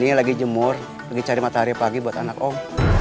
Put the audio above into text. ini lagi jemur lagi cari matahari pagi buat anak om